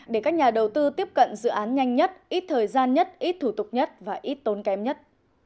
để các nhà đầu tư tiếp cận dự án nhanh nhất ít thời gian nhất ít thủ tục nhất và ít tốn kém nhất